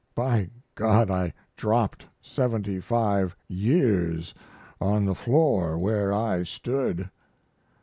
By God, I dropped seventy five years on the floor where I stood!